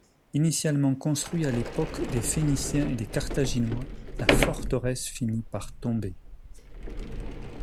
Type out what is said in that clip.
Initialement construit à l'époque des phéniciens et carthaginois, la forteresse finit par tomber.